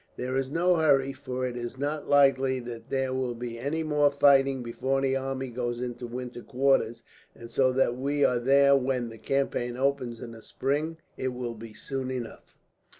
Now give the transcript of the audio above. There is no hurry, for it is not likely that there will be any more fighting before the army goes into winter quarters; and so that we are there when the campaign opens in the spring, it will be soon enough."